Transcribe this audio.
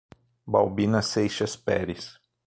Baubina Seixas Peres